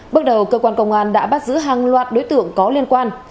bước đầu cơ quan công an đã bắt giữ hàng loạt đối tượng có liên quan